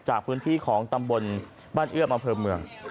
จากพื้นที่ของตำบลบ้านเอื้อมอำเภอเมือง